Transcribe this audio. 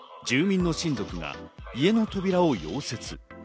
住民の親族が家の扉を溶接。